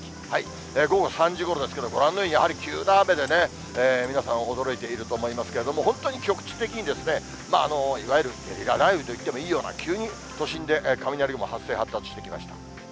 午後３時ごろですけれども、ご覧のようにやはり急な雨で、皆さん、驚いていると思いますけれども、本当に局地的にいわゆるゲリラ雷雨といっていいような、急に都心で雷雲、発生、発達してきました。